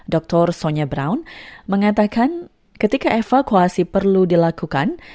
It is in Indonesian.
dr sonia brown mengatakan ketika evakuasi perlu dilakukan